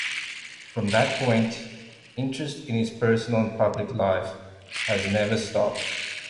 From that point, interest in his personal and public life has never stopped.